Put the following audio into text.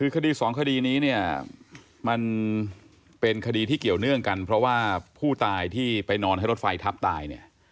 คดีสองคดีนี้เนี่ยมันเป็นคดีที่เกี่ยวเนื่องกันเพราะว่าผู้ตายที่ไปนอนให้รถไฟทับตายเนี่ย